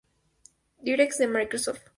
DirectX de Microsoft.